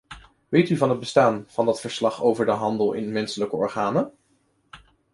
Weet u van het bestaan van dat verslag over de handel in menselijke organen?